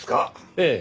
ええ。